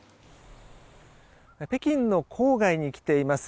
北京の郊外に来ています。